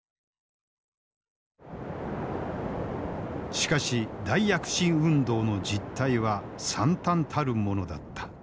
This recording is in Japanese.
しかし大躍進運動の実態はさんたんたるものだった。